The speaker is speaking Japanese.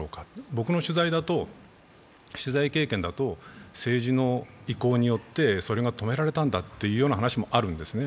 僕の取材経験だと政治の意向によってそれが止められたんだという話があるんですね。